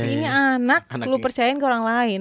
ini anak lu percayain ke orang lain